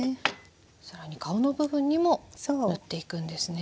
さらに顔の部分にも塗っていくんですね。